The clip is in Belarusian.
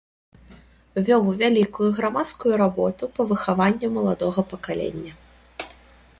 Вёў вялікую грамадскую работу па выхаванню маладога пакалення.